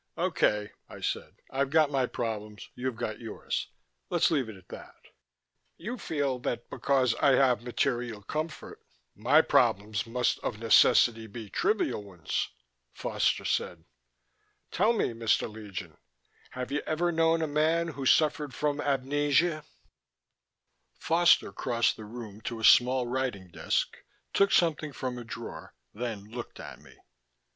"Okay," I said. "I've got my problems, you've got yours. Let's leave it at that." "You feel that because I have material comfort, my problems must of necessity be trivial ones," Foster said. "Tell me, Mr. Legion: have you ever known a man who suffered from amnesia?" Foster crossed the room to a small writing desk, took something from a drawer, then looked at me.